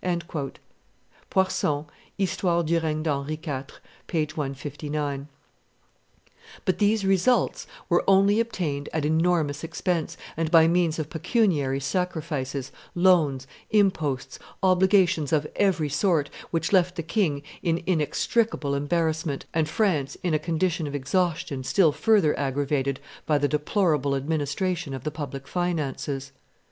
[Poirson, _Histoire du Regne de Henri IV., t. ii. p. 159.] But these results were only obtained at enormous expense and by means of pecuniary sacrifices, loans, imposts, obligations of every sort, which left the king in inextricable embarrassment, and France in a condition of exhaustion still further aggravated by the deplorable administration of the public finances.